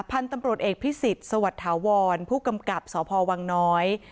พันธุ์ตำรวจเอกพิสิทธิ์สวัสดิ์ถาวรผู้กำกับสพวังน้อย